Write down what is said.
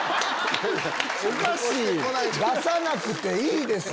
出さなくていいです！